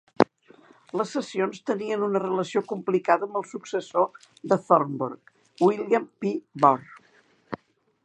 Les sessions tenien una relació complicada amb el successor de Thornburgh, William P. Barr.